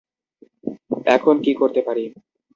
এখন কী করতে পারি।